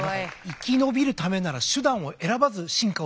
生き延びるためなら手段を選ばず進化を続けたっていう。